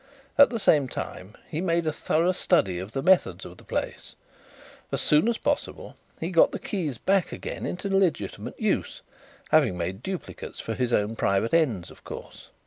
At the same time he made a thorough study of the methods of the place. As soon as possible he got the keys back again into legitimate use, having made duplicates for his own private ends, of course.